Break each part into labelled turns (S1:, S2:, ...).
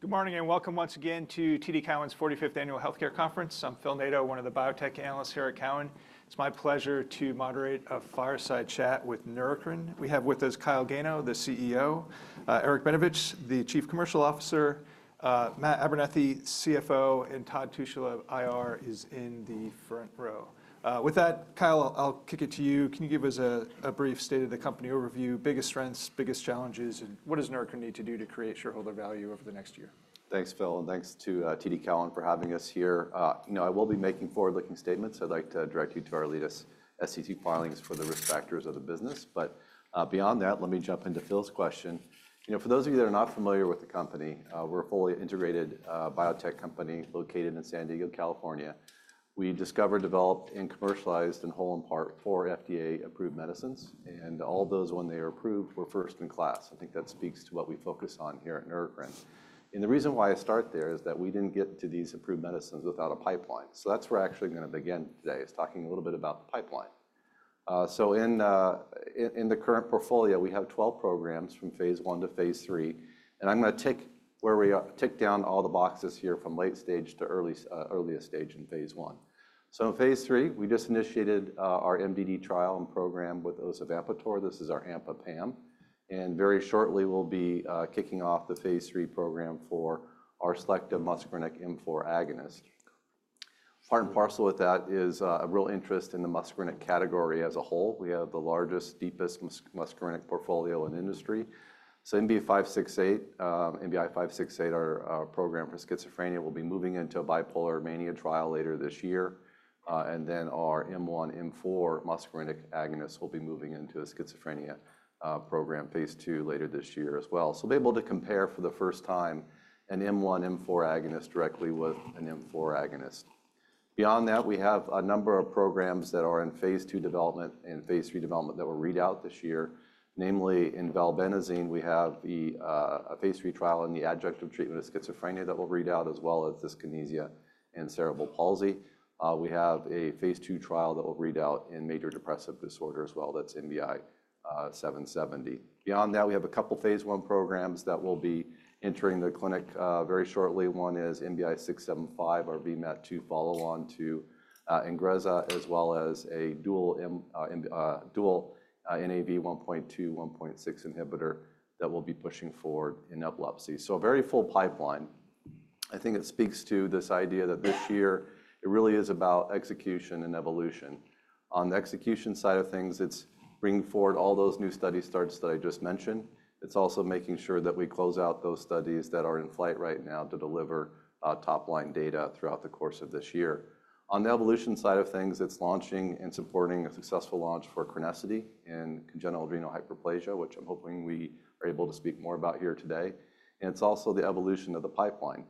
S1: Good morning and welcome once again to TD Cowen's 45th Annual Healthcare Conference. I'm Phil Nadeau, one of the biotech analysts here at Cowen. It's my pleasure to moderate a fireside chat with Neurocrine. We have with us Kyle Gano, the CEO; Eric Benevich, the Chief Commercial Officer; Matt Abernethy, CFO; and Todd Tushla, IR, is in the front row. With that, Kyle, I'll kick it to you. Can you give us a brief state of the company overview, biggest strengths, biggest challenges, and what does Neurocrine need to do to create shareholder value over the next year?
S2: Thanks, Phil, and thanks to TD Cowen for having us here. You know, I will be making forward-looking statements. I'd like to direct you to our latest SEC filings for the risk factors of the business. But beyond that, let me jump into Phil's question. You know, for those of you that are not familiar with the company, we're a fully integrated biotech company located in San Diego, California. We discover, develop, and commercialize, in whole and in part, four FDA-approved medicines. And all of those, when they are approved, were first in class. I think that speaks to what we focus on here at Neurocrine. And the reason why I start there is that we didn't get to these approved medicines without a pipeline. So that's where we're actually going to begin today, is talking a little bit about the pipeline. So in the current portfolio, we have 12 programs from phase I to phase III. And I'm going to tick down all the boxes here from late stage to earliest stage in phase I. So in phase III, we just initiated our MDD trial and program with osavampator. This is our AMPA PAM. And very shortly, we'll be kicking off the phase III program for our selective muscarinic M4 agonist. Part and parcel with that is a real interest in the muscarinic category as a whole. We have the largest, deepest muscarinic portfolio in the industry. So NBI-568, our program for schizophrenia, will be moving into a bipolar mania trial later this year. And then our M1, M4 muscarinic agonists will be moving into a schizophrenia program phase two later this year as well. We'll be able to compare for the first time an M1, M4 agonist directly with an M4 agonist. Beyond that, we have a number of programs that are in phase development and phase III development that we'll read out this year. Namely, in valbenazine, we have a phase III trial in the adjunctive treatment of schizophrenia that we'll read out, as well as dyskinesia and cerebral palsy. We have a phase II trial that we'll read out in major depressive disorder as well. That's NBI-770. Beyond that, we have a couple of phase 1 programs that we'll be entering the clinic very shortly. One is NBI 675, our VMAT2 follow-on to Ingrezza, as well as a dual Nav1.2/1.6 inhibitor that we'll be pushing forward in epilepsy. So a very full pipeline. I think it speaks to this idea that this year, it really is about execution and evolution. On the execution side of things, it's bringing forward all those new study starts that I just mentioned. It's also making sure that we close out those studies that are in flight right now to deliver top-line data throughout the course of this year. On the evolution side of things, it's launching and supporting a successful launch for CRENESSITY in congenital adrenal hyperplasia, which I'm hoping we are able to speak more about here today. And it's also the evolution of the pipeline.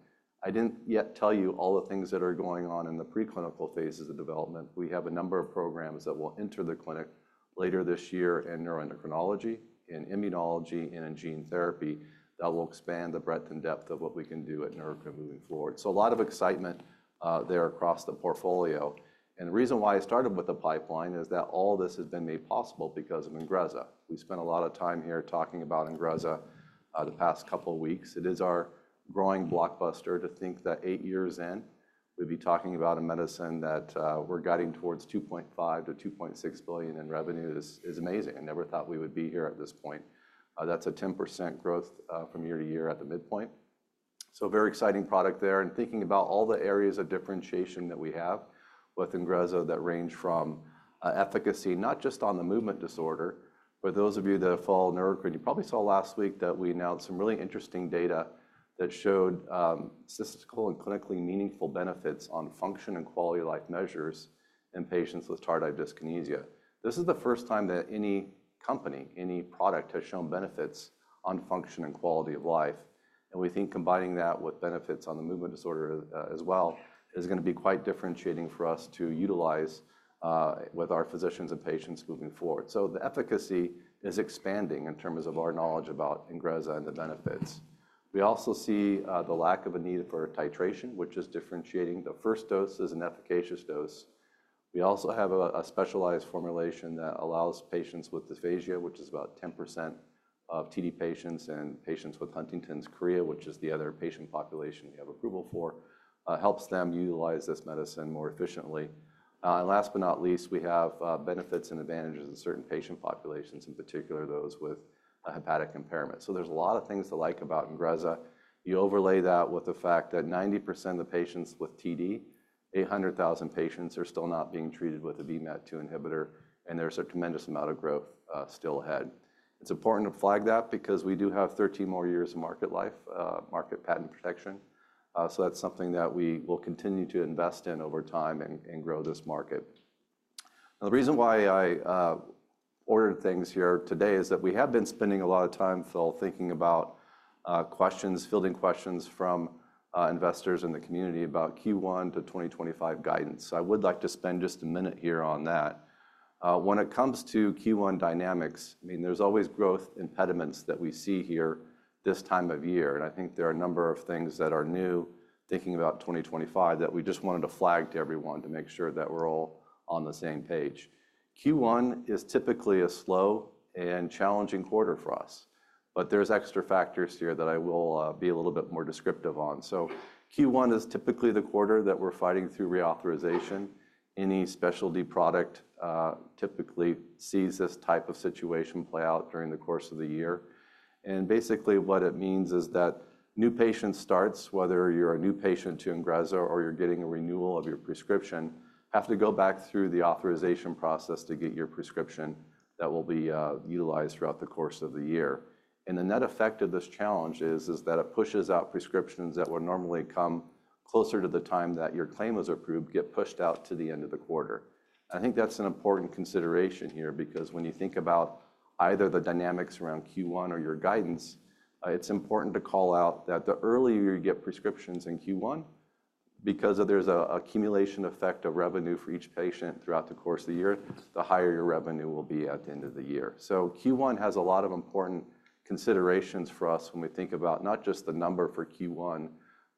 S2: I didn't yet tell you all the things that are going on in the preclinical phases of development. We have a number of programs that will enter the clinic later this year in neuroendocrinology, in immunology, and in gene therapy that will expand the breadth and depth of what we can do at Neurocrine moving forward, so a lot of excitement there across the portfolio, and the reason why I started with the pipeline is that all this has been made possible because of Ingrezza. We spent a lot of time here talking about Ingrezza the past couple of weeks. It is our growing blockbuster to think that eight years in, we'd be talking about a medicine that we're guiding towards $2.5-$2.6 billion in revenue is amazing. I never thought we would be here at this point. That's a 10% growth from year-to-year at the midpoint, so a very exciting product there. Thinking about all the areas of differentiation that we have with Ingrezza that range from efficacy, not just on the movement disorder, for those of you that follow Neurocrine, you probably saw last week that we announced some really interesting data that showed statistical and clinically meaningful benefits on function and quality of life measures in patients with tardive dyskinesia. This is the first time that any company, any product has shown benefits on function and quality of life. We think combining that with benefits on the movement disorder as well is going to be quite differentiating for us to utilize with our physicians and patients moving forward. The efficacy is expanding in terms of our knowledge about Ingrezza and the benefits. We also see the lack of a need for titration, which is differentiating. The first dose is an efficacious dose. We also have a specialized formulation that allows patients with dysphagia, which is about 10% of TD patients, and patients with Huntington's chorea, which is the other patient population we have approval for, helps them utilize this medicine more efficiently, and last but not least, we have benefits and advantages in certain patient populations, in particular those with hepatic impairment, so there's a lot of things to like about Ingrezza, you overlay that with the fact that 90% of the patients with TD, 800,000 patients, are still not being treated with a VMAT2 inhibitor, and there's a tremendous amount of growth still ahead. It's important to flag that because we do have 13 more years of market life, market patent protection, so that's something that we will continue to invest in over time and grow this market. Now, the reason why I ordered things here today is that we have been spending a lot of time, Phil, thinking about questions, fielding questions from investors in the community about Q1 to 2025 guidance. So I would like to spend just a minute here on that. When it comes to Q1 dynamics, I mean, there's always growth impediments that we see here this time of year. And I think there are a number of things that are new, thinking about 2025, that we just wanted to flag to everyone to make sure that we're all on the same page. Q1 is typically a slow and challenging quarter for us, but there's extra factors here that I will be a little bit more descriptive on. So Q1 is typically the quarter that we're fighting through reauthorization. Any specialty product typically sees this type of situation play out during the course of the year. And basically, what it means is that new patient starts, whether you're a new patient to Ingrezza or you're getting a renewal of your prescription, have to go back through the authorization process to get your prescription that will be utilized throughout the course of the year. And the net effect of this challenge is that it pushes out prescriptions that would normally come closer to the time that your claim was approved, get pushed out to the end of the quarter. I think that's an important consideration here because when you think about either the dynamics around Q1 or your guidance, it's important to call out that the earlier you get prescriptions in Q1, because there's an accumulation effect of revenue for each patient throughout the course of the year, the higher your revenue will be at the end of the year. So Q1 has a lot of important considerations for us when we think about not just the number for Q1,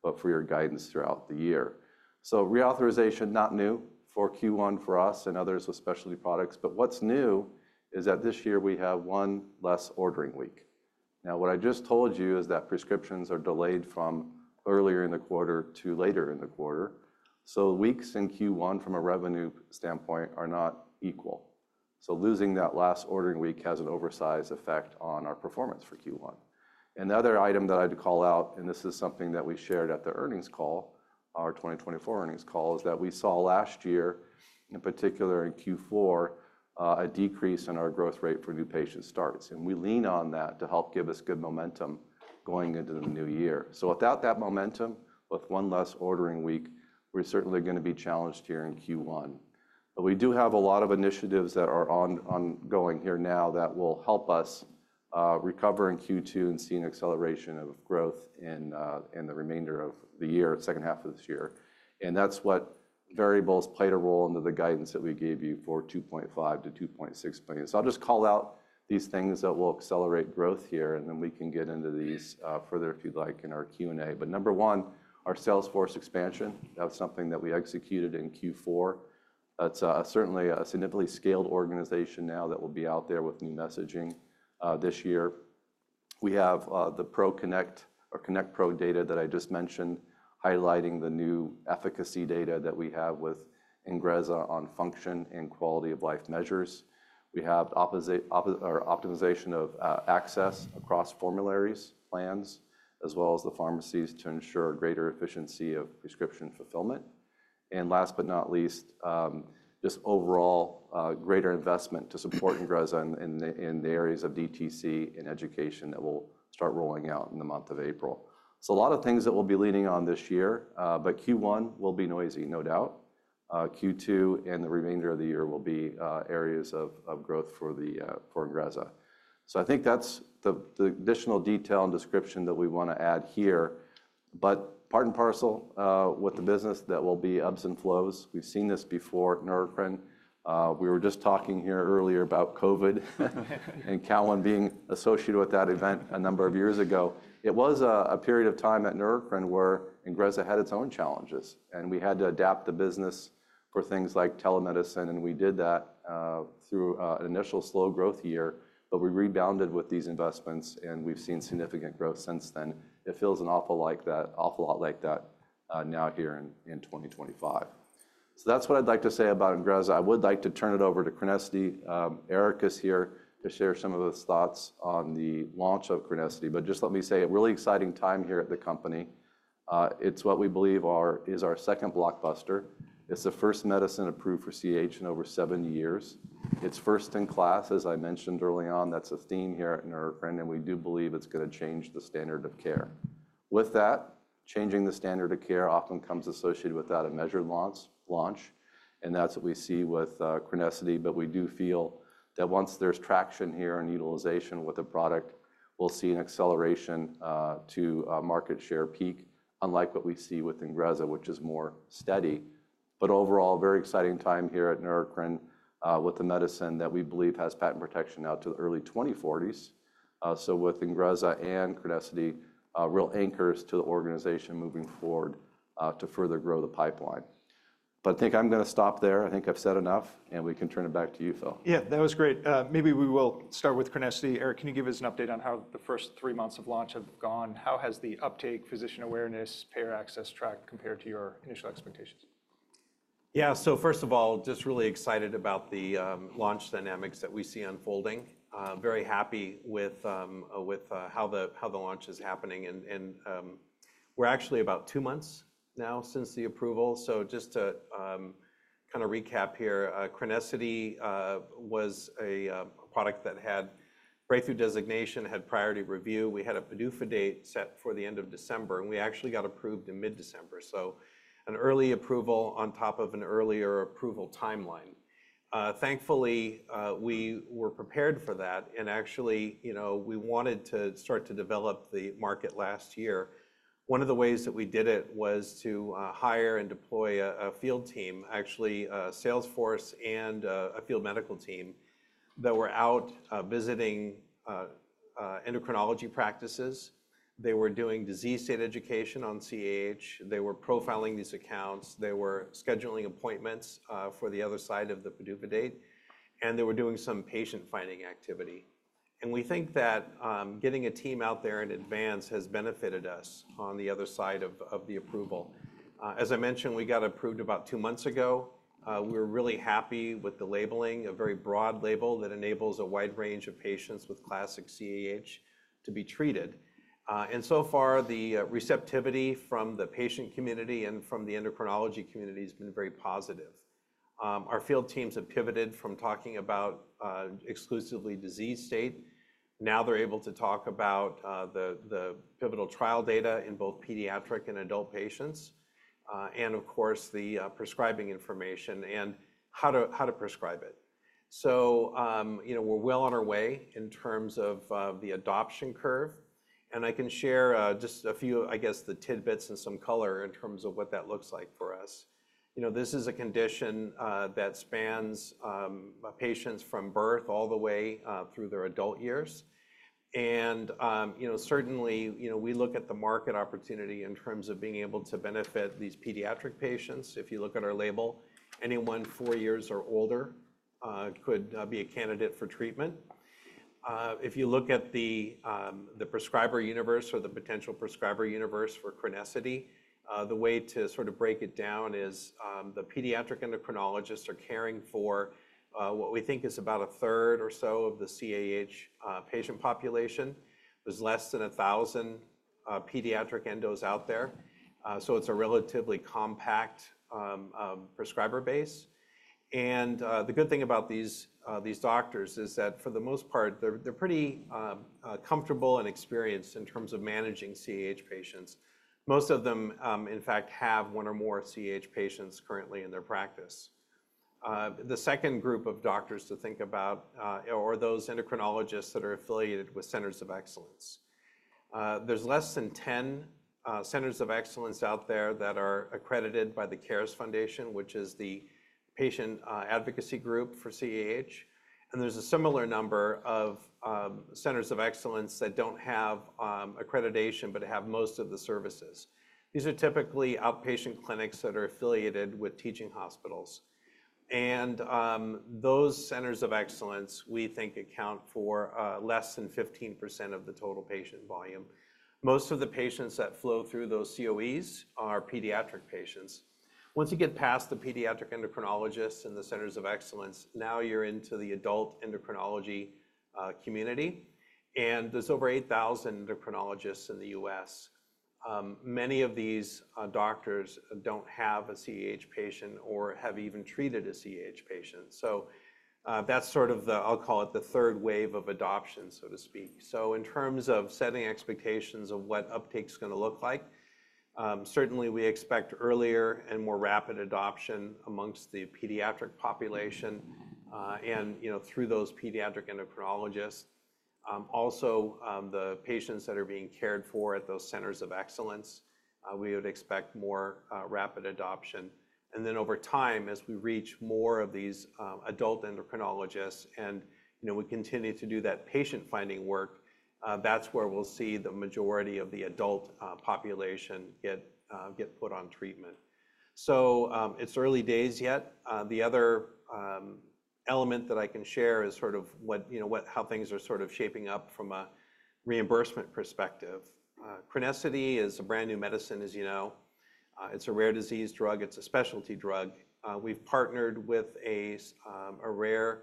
S2: but for your guidance throughout the year. So reauthorization, not new for Q1 for us and others with specialty products. But what's new is that this year we have one less ordering week. Now, what I just told you is that prescriptions are delayed from earlier in the quarter to later in the quarter. So weeks in Q1 from a revenue standpoint are not equal. So losing that last ordering week has an oversized effect on our performance for Q1. And the other item that I'd call out, and this is something that we shared at the earnings call, our 2024 earnings call, is that we saw last year, in particular in Q4, a decrease in our growth rate for new patient starts. And we lean on that to help give us good momentum going into the new year. So without that momentum, with one less ordering week, we're certainly going to be challenged here in Q1. But we do have a lot of initiatives that are ongoing here now that will help us recover in Q2 and see an acceleration of growth in the remainder of the year, second half of this year. And that's what variables played a role into the guidance that we gave you for $2.5-$2.6 billion. I'll just call out these things that will accelerate growth here, and then we can get into these further if you'd like in our Q&A. But number one, our sales force expansion. That was something that we executed in Q4. That's certainly a significantly scaled organization now that will be out there with new messaging this year. We have the ProConnect or ConnectPro data that I just mentioned, highlighting the new efficacy data that we have with Ingrezza on function and quality of life measures. We have optimization of access across formularies, plans, as well as the pharmacies to ensure greater efficiency of prescription fulfillment. And last but not least, just overall greater investment to support Ingrezza in the areas of DTC and education that will start rolling out in the month of April. A lot of things that we'll be leaning on this year, but Q1 will be noisy, no doubt. Q2 and the remainder of the year will be areas of growth for Ingrezza. I think that's the additional detail and description that we want to add here. Part and parcel with the business, that will be ebbs and flows. We've seen this before at Neurocrine. We were just talking here earlier about COVID and Cowen being associated with that event a number of years ago. It was a period of time at Neurocrine where Ingrezza had its own challenges, and we had to adapt the business for things like telemedicine. We did that through an initial slow growth year, but we rebounded with these investments, and we've seen significant growth since then. It feels an awful lot like that now, here in 2025. That's what I'd like to say about Ingrezza. I would like to turn it over to CRENESSITY. Eric is here to share some of his thoughts on the launch of CRENESSITY. But just let me say, a really exciting time here at the company. It's what we believe is our second blockbuster. It's the first medicine approved for CAH in over seven years. It's first in class, as I mentioned early on. That's a theme here at Neurocrine, and we do believe it's going to change the standard of care. With that, changing the standard of care often comes associated with that, a measured launch. That's what we see with CRENESSITY. But we do feel that once there's traction here and utilization with the product, we'll see an acceleration to market share peak, unlike what we see with Ingrezza, which is more steady. But overall, very exciting time here at Neurocrine with the medicine that we believe has patent protection now to the early 2040s. So with Ingrezza and CRENESSITY, real anchors to the organization moving forward to further grow the pipeline. But I think I'm going to stop there. I think I've said enough, and we can turn it back to you, Phil.
S1: Yeah, that was great. Maybe we will start with CRENESSITY. Eric, can you give us an update on how the first three months of launch have gone? How has the uptake, physician awareness, payer access track compared to your initial expectations?
S3: Yeah, so first of all, just really excited about the launch dynamics that we see unfolding. Very happy with how the launch is happening. And we're actually about two months now since the approval. So just to kind of recap here, CRENESSITY was a product that had breakthrough designation, had priority review. We had a PDUFA date set for the end of December, and we actually got approved in mid-December. So an early approval on top of an earlier approval timeline. Thankfully, we were prepared for that. And actually, we wanted to start to develop the market last year. One of the ways that we did it was to hire and deploy a field team, actually a sales force and a field medical team that were out visiting endocrinology practices. They were doing disease state education on CAH. They were profiling these accounts. They were scheduling appointments for the other side of the PDUFA date, and they were doing some patient finding activity. And we think that getting a team out there in advance has benefited us on the other side of the approval. As I mentioned, we got approved about two months ago. We were really happy with the labeling, a very broad label that enables a wide range of patients with classic CAH to be treated. And so far, the receptivity from the patient community and from the endocrinology community has been very positive. Our field teams have pivoted from talking about exclusively disease state. Now they're able to talk about the pivotal trial data in both pediatric and adult patients, and of course, the prescribing information and how to prescribe it. So we're well on our way in terms of the adoption curve. And I can share just a few, I guess, the tidbits and some color in terms of what that looks like for us. This is a condition that spans patients from birth all the way through their adult years. And certainly, we look at the market opportunity in terms of being able to benefit these pediatric patients. If you look at our label, anyone four years or older could be a candidate for treatment. If you look at the prescriber universe or the potential prescriber universe for CRENESSITY, the way to sort of break it down is the pediatric endocrinologists are caring for what we think is about a third or so of the CAH patient population. There's less than 1,000 pediatric endos out there. So it's a relatively compact prescriber base. And the good thing about these doctors is that for the most part, they're pretty comfortable and experienced in terms of managing CAH patients. Most of them, in fact, have one or more CAH patients currently in their practice. The second group of doctors to think about are those endocrinologists that are affiliated with Centers of Excellence. There's less than 10 Centers of Excellence out there that are accredited by the CARES Foundation, which is the patient advocacy group for CAH. And there's a similar number of Centers of Excellence that don't have accreditation but have most of the services. These are typically outpatient clinics that are affiliated with teaching hospitals. And those Centers of Excellence, we think, account for less than 15% of the total patient volume. Most of the patients that flow through those CoEs are pediatric patients. Once you get past the pediatric endocrinologists and the Centers of Excellence, now you're into the adult endocrinology community. And there's over 8,000 endocrinologists in the U.S. Many of these doctors don't have a CAH patient or have even treated a CAH patient. So that's sort of the, I'll call it the third wave of adoption, so to speak. So in terms of setting expectations of what uptake is going to look like, certainly we expect earlier and more rapid adoption amongst the pediatric population and through those pediatric endocrinologists. Also, the patients that are being cared for at those Centers of Excellence, we would expect more rapid adoption. And then over time, as we reach more of these adult endocrinologists and we continue to do that patient finding work, that's where we'll see the majority of the adult population get put on treatment. It's early days yet. The other element that I can share is sort of how things are sort of shaping up from a reimbursement perspective. CRENESSITY is a brand new medicine, as you know. It's a rare disease drug. It's a specialty drug. We've partnered with a rare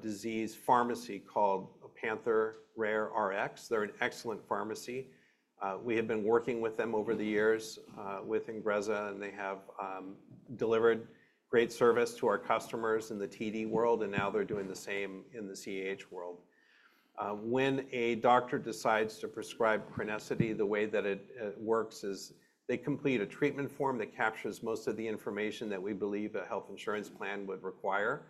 S3: disease pharmacy called PANTHERx Rare. They're an excellent pharmacy. We have been working with them over the years with Ingrezza, and they have delivered great service to our customers in the TD world, and now they're doing the same in the CAH world. When a doctor decides to prescribe CRENESSITY, the way that it works is they complete a treatment form that captures most of the information that we believe a health insurance plan would require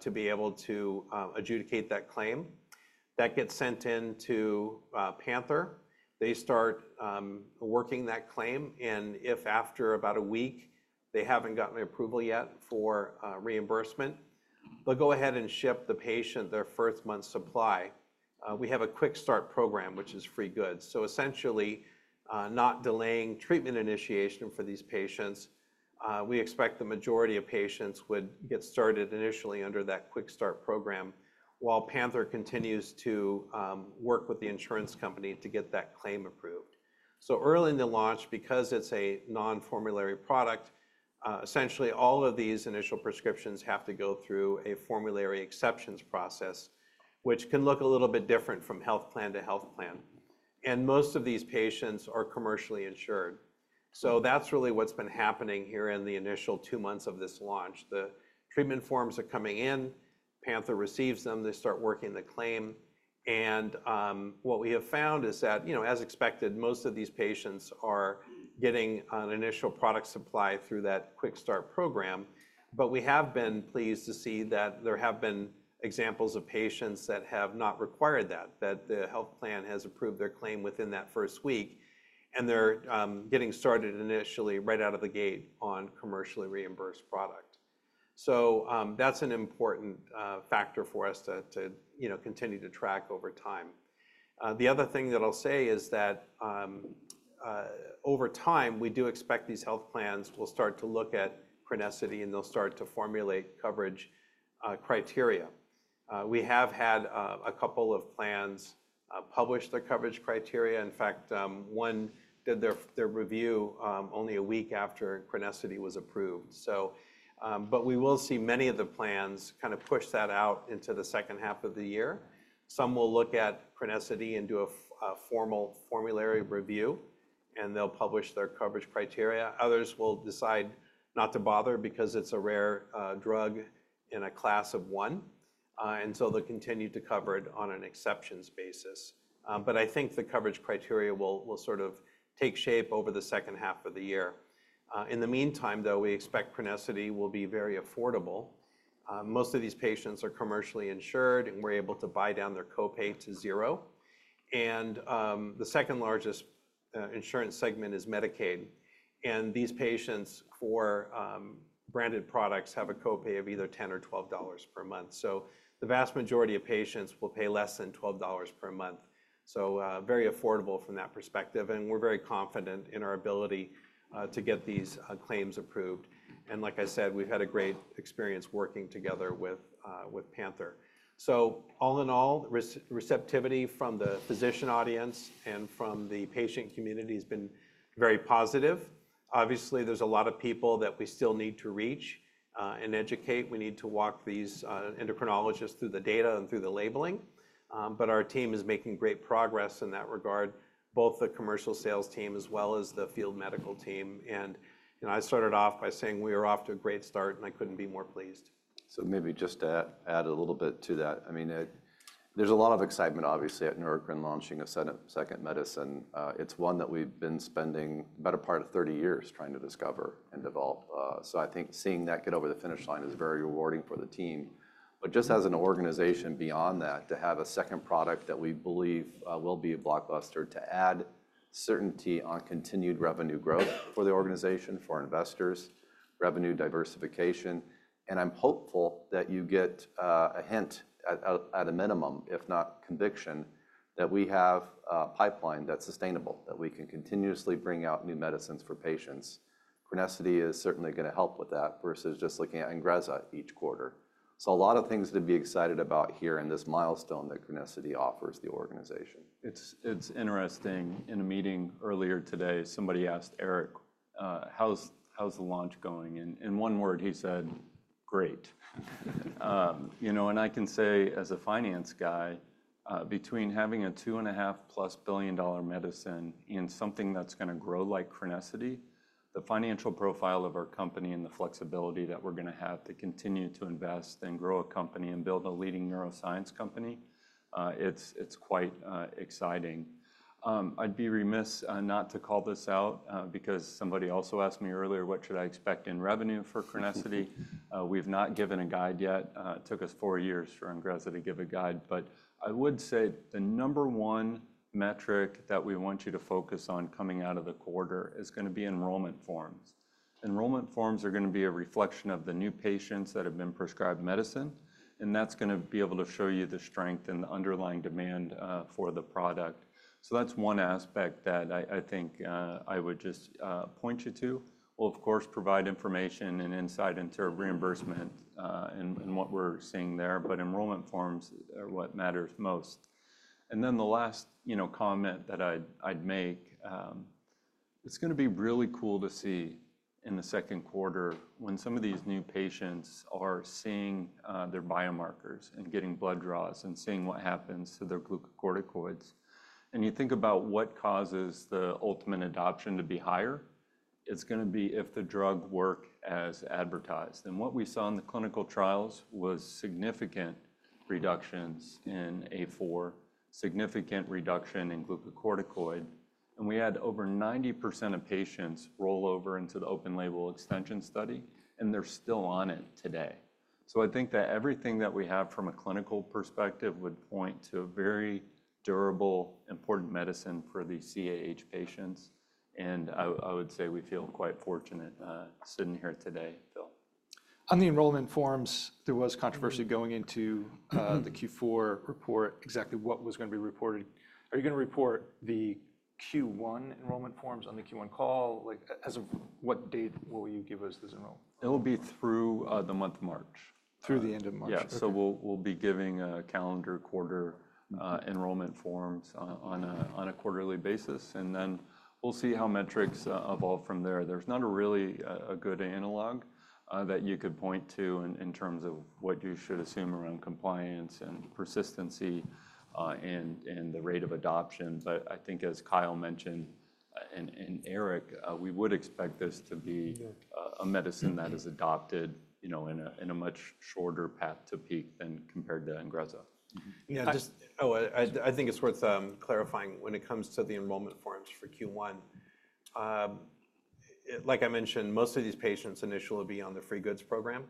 S3: to be able to adjudicate that claim. That gets sent into PANTHERx Rare. They start working that claim, and if after about a week they haven't gotten approval yet for reimbursement, they'll go ahead and ship the patient their first month's supply. We have a quick start program, which is free goods. So essentially, not delaying treatment initiation for these patients. We expect the majority of patients would get started initially under that quick start program while PANTHERx Rare continues to work with the insurance company to get that claim approved, so early in the launch, because it's a non-formulary product, essentially all of these initial prescriptions have to go through a formulary exceptions process, which can look a little bit different from health plan to health plan, and most of these patients are commercially insured, so that's really what's been happening here in the initial two months of this launch. The treatment forms are coming in. PANTHERx Rare receives them. They start working the claim, and what we have found is that, as expected, most of these patients are getting an initial product supply through that quick start program. But we have been pleased to see that there have been examples of patients that have not required that, that the health plan has approved their claim within that first week, and they're getting started initially right out of the gate on commercially reimbursed product. So that's an important factor for us to continue to track over time. The other thing that I'll say is that over time, we do expect these health plans will start to look at CRENESSITY, and they'll start to formulate coverage criteria. We have had a couple of plans publish their coverage criteria. In fact, one did their review only a week after CRENESSITY was approved. But we will see many of the plans kind of push that out into the second half of the year. Some will look at CRENESSITY and do a formal formulary review, and they'll publish their coverage criteria. Others will decide not to bother because it's a rare drug in a class of one, and so they'll continue to cover it on an exceptions basis, but I think the coverage criteria will sort of take shape over the second half of the year. In the meantime, though, we expect CRENESSITY will be very affordable. Most of these patients are commercially insured, and we're able to buy down their copay to zero, and the second largest insurance segment is Medicaid, and these patients for branded products have a copay of either $10 or $12 per month, so the vast majority of patients will pay less than $12 per month, so very affordable from that perspective, and we're very confident in our ability to get these claims approved, and like I said, we've had a great experience working together with PANTHERx Rare. So all in all, receptivity from the physician audience and from the patient community has been very positive. Obviously, there's a lot of people that we still need to reach and educate. We need to walk these endocrinologists through the data and through the labeling, but our team is making great progress in that regard, both the commercial sales team as well as the field medical team, and I started off by saying we were off to a great start, and I couldn't be more pleased,
S2: So maybe just to add a little bit to that, I mean, there's a lot of excitement, obviously, at Neurocrine launching a second medicine. It's one that we've been spending the better part of 30 years trying to discover and develop, so I think seeing that get over the finish line is very rewarding for the team. But just as an organization, beyond that, to have a second product that we believe will be a blockbuster, to add certainty on continued revenue growth for the organization, for investors, revenue diversification. And I'm hopeful that you get a hint, at a minimum, if not conviction, that we have a pipeline that's sustainable, that we can continuously bring out new medicines for patients. CRENESSITY is certainly going to help with that versus just looking at Ingrezza each quarter. So a lot of things to be excited about here in this milestone that CRENESSITY offers the organization.
S4: It's interesting. In a meeting earlier today, somebody asked Erick, how's the launch going? And in one word, he said, great. I can say as a finance guy, between having a $2.5 billion-plus medicine and something that's going to grow like CRENESSITY, the financial profile of our company and the flexibility that we're going to have to continue to invest and grow a company and build a leading neuroscience company, it's quite exciting. I'd be remiss not to call this out because somebody also asked me earlier, what should I expect in revenue for CRENESSITY? We've not given a guide yet. It took us four years for Ingrezza to give a guide. But I would say the number one metric that we want you to focus on coming out of the quarter is going to be enrollment forms. Enrollment forms are going to be a reflection of the new patients that have been prescribed medicine. And that's going to be able to show you the strength and the underlying demand for the product. So that's one aspect that I think I would just point you to. We'll, of course, provide information and insight into reimbursement and what we're seeing there. But enrollment forms are what matters most. And then the last comment that I'd make, it's going to be really cool to see in the second quarter when some of these new patients are seeing their biomarkers and getting blood draws and seeing what happens to their glucocorticoids. And you think about what causes the ultimate adoption to be higher, it's going to be if the drug works as advertised. And what we saw in the clinical trials was significant reductions in A4, significant reduction in glucocorticoid. We had over 90% of patients roll over into the open label extension study, and they're still on it today. So I think that everything that we have from a clinical perspective would point to a very durable, important medicine for the CAH patients. I would say we feel quite fortunate sitting here today, Phil.
S1: On the enrollments, there was controversy going into the Q4 report, exactly what was going to be reported. Are you going to report the Q1 enrollments on the Q1 call? As of what date will you give us this enrollment?
S4: It will be through the month of March.
S1: Through the end of March.
S4: Yeah. We'll be giving calendar quarter enrollments on a quarterly basis. We'll see how metrics evolve from there. There's not really a good analog that you could point to in terms of what you should assume around compliance and persistency and the rate of adoption. But I think as Kyle mentioned and Erick, we would expect this to be a medicine that is adopted in a much shorter path to peak than compared to Ingrezza.
S3: Yeah. Oh, I think it's worth clarifying when it comes to the enrollment forms for Q1. Like I mentioned, most of these patients initially will be on the free goods program.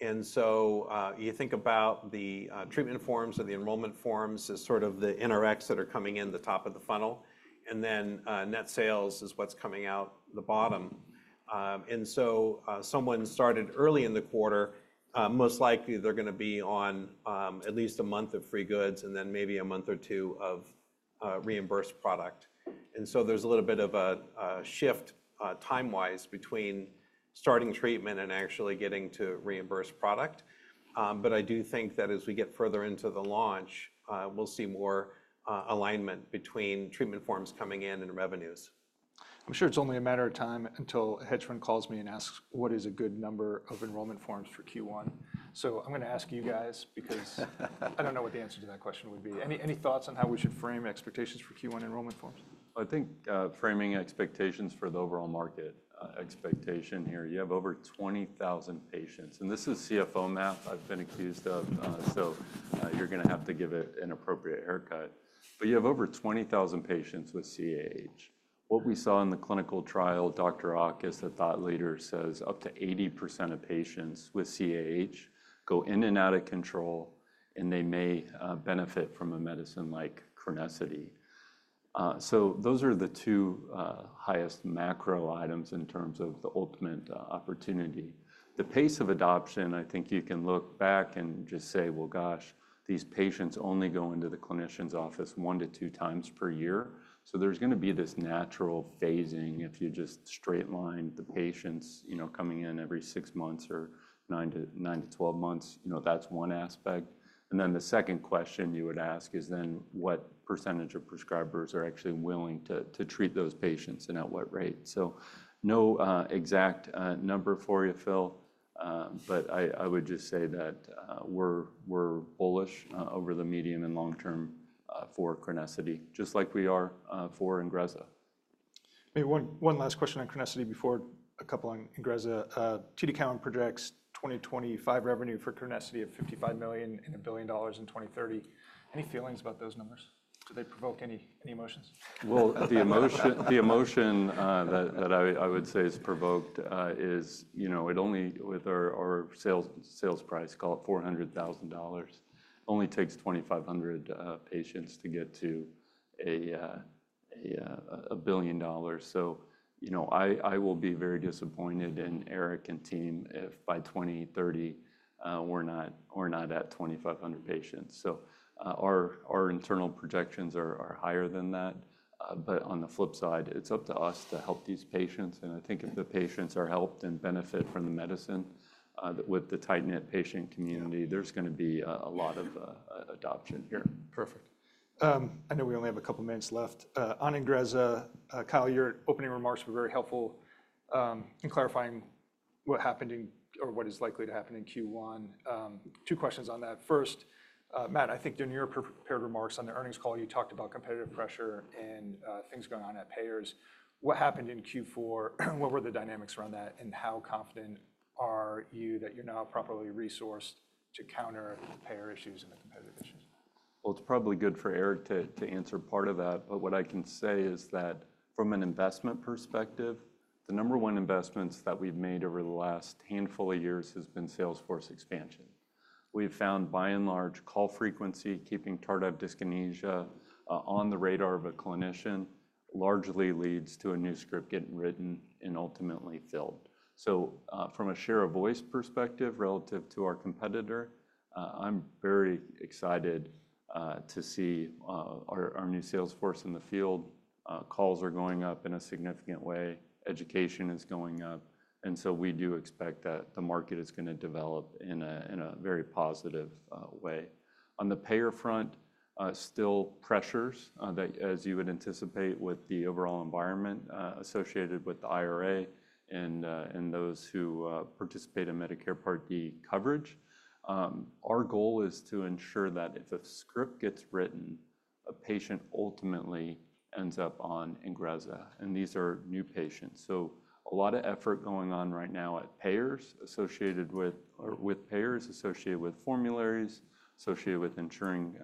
S3: And so you think about the treatment forms or the enrollment forms as sort of the NRXs that are coming in the top of the funnel. And then net sales is what's coming out the bottom. And so someone started early in the quarter, most likely they're going to be on at least a month of free goods and then maybe a month or two of reimbursed product. And so there's a little bit of a shift time-wise between starting treatment and actually getting to reimbursed product. But I do think that as we get further into the launch, we'll see more alignment between treatment forms coming in and revenues.
S1: I'm sure it's only a matter of time until hedge fund calls me and asks, what is a good number of enrollment forms for Q1? So I'm going to ask you guys because I don't know what the answer to that question would be. Any thoughts on how we should frame expectations for Q1 enrollment forms?
S4: I think framing expectations for the overall market expectation here. You have over 20,000 patients. And this is CFO math I've been accused of. So you're going to have to give it an appropriate haircut. But you have over 20,000 patients with CAH. What we saw in the clinical trial, Dr. Auchus, the thought leader, says up to 80% of patients with CAH go in and out of control, and they may benefit from a medicine like CRENESSITY. So those are the two highest macro items in terms of the ultimate opportunity. The pace of adoption, I think you can look back and just say, well, gosh, these patients only go into the clinician's office one to two times per year. So there's going to be this natural phasing if you just straight line the patients coming in every six months or nine to 12 months. That's one aspect. Then the second question you would ask is then what percentage of prescribers are actually willing to treat those patients and at what rate? So no exact number for you, Phil. But I would just say that we're bullish over the medium and long term for CRENESSITY, just like we are for Ingrezza.
S1: Maybe one last question on CRENESSITY before a couple on Ingrezza. TD Cowen projects 2025 revenue for CRENESSITY of $55 million and $1 billion in 2030. Any feelings about those numbers? Do they provoke any emotions?
S4: The emotion that I would say is provoked is with our sales price, call it $400,000, only takes 2,500 patients to get to $1 billion. So I will be very disappointed in ERIC and team if by 2030 we're not at 2,500 patients. Our internal projections are higher than that. But on the flip side, it's up to us to help these patients. And I think if the patients are helped and benefit from the medicine with the tight-knit patient community, there's going to be a lot of adoption here.
S1: Perfect. I know we only have a couple of minutes left. On Ingrezza, Kyle, your opening remarks were very helpful in clarifying what happened or what is likely to happen in Q1. Two questions on that. First, Matt, I think in your prepared remarks on the earnings call, you talked about competitive pressure and things going on at payers. What happened in Q4? What were the dynamics around that? And how confident are you that you're now properly resourced to counter payer issues and the competitive issues?
S4: Well, it's probably good for Eric to answer part of that. But what I can say is that from an investment perspective, the number one investments that we've made over the last handful of years has been sales force expansion. We've found, by and large, call frequency, keeping tardive dyskinesia on the radar of a clinician largely leads to a new script getting written and ultimately filled. So from a share of voice perspective relative to our competitor, I'm very excited to see our new sales force in the field. Calls are going up in a significant way. Education is going up. And so we do expect that the market is going to develop in a very positive way. On the payer front, still pressures that, as you would anticipate with the overall environment associated with the IRA and those who participate in Medicare Part D coverage. Our goal is to ensure that if a script gets written, a patient ultimately ends up on Ingrezza, and these are new patients, so a lot of effort going on right now at payers associated with payers, associated with formularies, associated with ensuring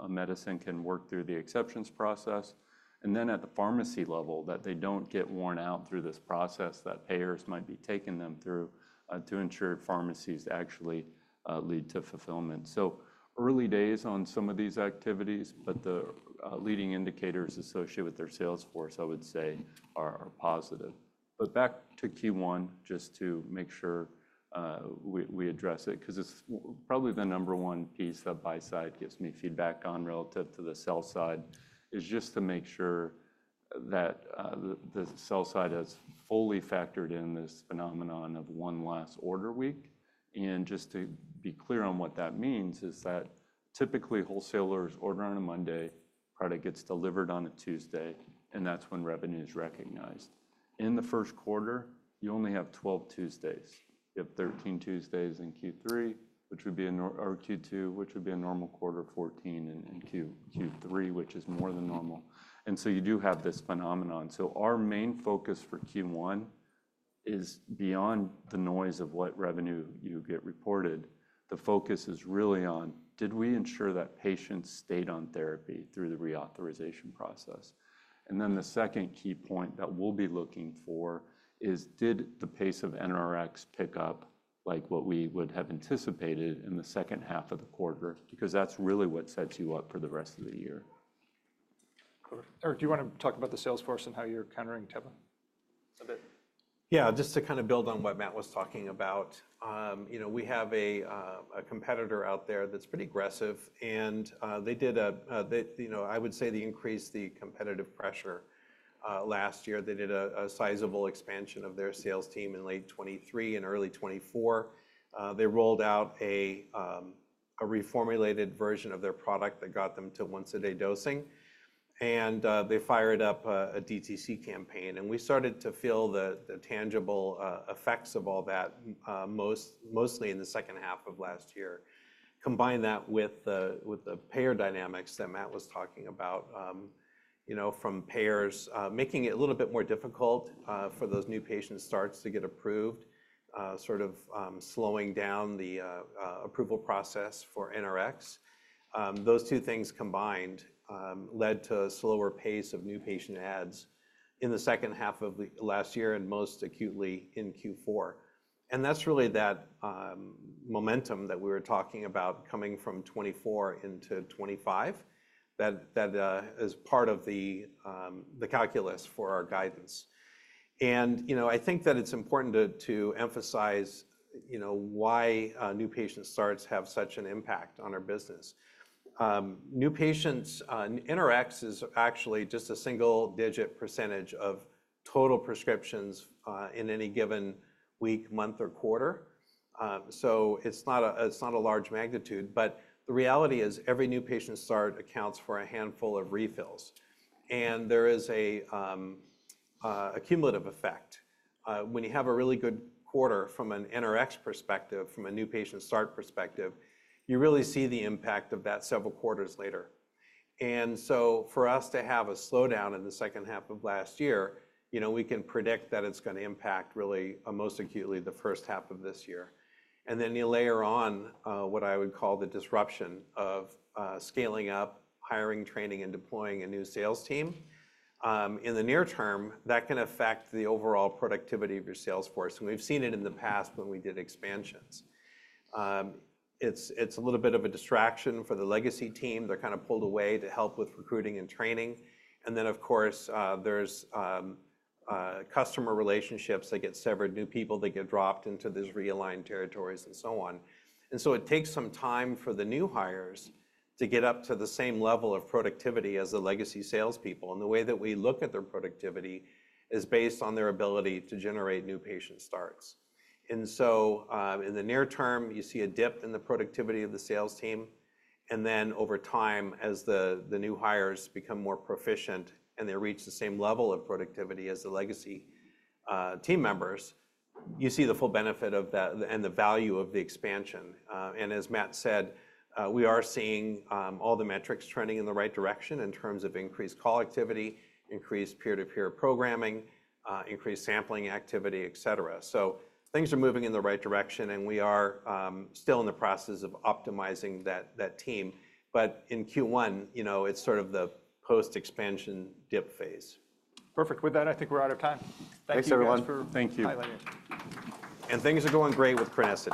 S4: a medicine can work through the exceptions process, and then at the pharmacy level, that they don't get worn out through this process, that payers might be taking them through to ensure pharmacies actually lead to fulfillment, so early days on some of these activities, but the leading indicators associated with their sales force, I would say, are positive, but back to Q1, just to make sure we address it, because it's probably the number one piece that buy side gives me feedback on relative to the sell side, is just to make sure that the sell side has fully factored in this phenomenon of one last order week. And just to be clear on what that means is that typically wholesalers order on a Monday, product gets delivered on a Tuesday, and that's when revenue is recognized. In the first quarter, you only have 12 Tuesdays. You have 13 Tuesdays in Q3, which would be a normal Q2, which would be a normal quarter of 14 in Q3, which is more than normal. And so you do have this phenomenon. So our main focus for Q1 is beyond the noise of what revenue you get reported, the focus is really on, did we ensure that patients stayed on therapy through the reauthorization process? And then the second key point that we'll be looking for is, did the pace of NRX pick up like what we would have anticipated in the second half of the quarter? Because that's really what sets you up for the rest of the year.
S1: Eric, do you want to talk about the sales force and how you're countering Teva a bit?
S3: Yeah, just to kind of build on what Matt was talking about. We have a competitor out there that's pretty aggressive. They did a, I would say, they increased the competitive pressure last year. They did a sizable expansion of their sales team in late 2023 and early 2024. They rolled out a reformulated version of their product that got them to once-a-day dosing. They fired up a DTC campaign. We started to feel the tangible effects of all that mostly in the second half of last year. Combine that with the payer dynamics that Matt was talking about from payers, making it a little bit more difficult for those new patient starts to get approved, sort of slowing down the approval process for NRX. Those two things combined led to a slower pace of new patient adds in the second half of last year and most acutely in Q4, and that's really that momentum that we were talking about coming from 2024 into 2025 as part of the calculus for our guidance, and I think that it's important to emphasize why new patient starts have such an impact on our business. New patients, NRX is actually just a single-digit percentage of total prescriptions in any given week, month, or quarter, so it's not a large magnitude. But the reality is every new patient start accounts for a handful of refills, and there is a cumulative effect. When you have a really good quarter from an NRX perspective, from a new patient start perspective, you really see the impact of that several quarters later. And so for us to have a slowdown in the second half of last year, we can predict that it's going to impact really most acutely the first half of this year. And then you layer on what I would call the disruption of scaling up, hiring, training, and deploying a new sales team. In the near term, that can affect the overall productivity of your sales force. And we've seen it in the past when we did expansions. It's a little bit of a distraction for the legacy team. They're kind of pulled away to help with recruiting and training. And then, of course, there's customer relationships. They get severed. New people, they get dropped into these realigned territories and so on. And so it takes some time for the new hires to get up to the same level of productivity as the legacy salespeople. And the way that we look at their productivity is based on their ability to generate new patient starts. And so in the near term, you see a dip in the productivity of the sales team. And then over time, as the new hires become more proficient and they reach the same level of productivity as the legacy team members, you see the full benefit of that and the value of the expansion. And as Matt said, we are seeing all the metrics trending in the right direction in terms of increased call activity, increased peer-to-peer programming, increased sampling activity, et cetera. So things are moving in the right direction. And we are still in the process of optimizing that team. But in Q1, it's sort of the post-expansion dip phase.
S1: Perfect. With that, I think we're out of time.
S4: Thanks, everyone. Thank you.
S2: Things are going great with CRENESSITY.